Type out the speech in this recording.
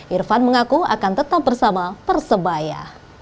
irfan mengaku akan tetap bersama persebaya